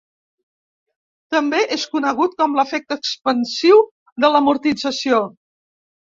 També és conegut com l'efecte expansiu de l'amortització.